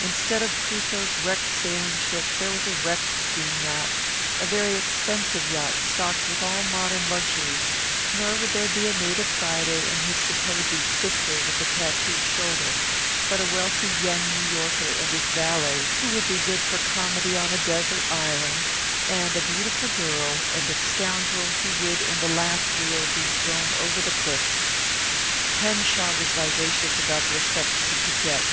Instead of Crusoe's wrecked sailing ship, there was a wrecked steam yacht, a very expensive yacht stocked with all modern luxuries, nor would there be a native Friday and his supposed sister with the tattooed shoulder, but a wealthy young New Yorker and his valet who would be good for comedy on a desert island, and a beautiful girl, and a scoundrel who would in the last reel be thrown over the cliffs. Henshaw was vivacious about the effects he would get.